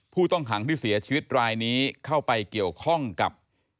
ผู้ต้องขังที่เสียชีวิตรายนี้เข้าไปเกี่ยวข้องกับ